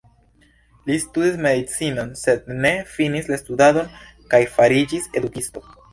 Li studis medicinon, sed ne finis la studadon kaj fariĝis edukisto.